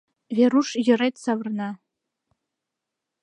Веруш йырет савырна.